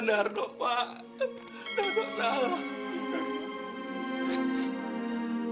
maafkan harga pak